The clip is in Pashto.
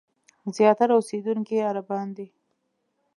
زیاتره اوسېدونکي یې عربان دي.